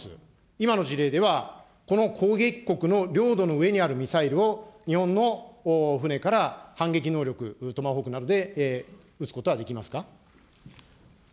今の事例では、この攻撃国の領土の上にあるミサイルを日本の船から反撃能力、トマホークなどで撃つことはできますか。